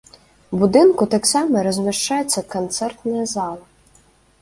У будынку таксама размяшчаецца канцэртная зала.